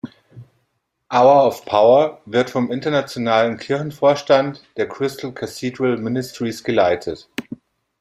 Hour of Power wird vom Internationalen Kirchenvorstand der "Crystal Cathedral Ministries" geleitet.